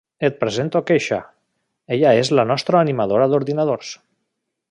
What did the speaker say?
Et presento Kesha, ella és la nostra animadora d'ordinador.